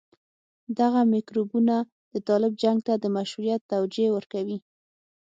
دغه میکروبونه د طالب جنګ ته د مشروعيت توجيه ورکوي.